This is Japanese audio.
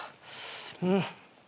うん。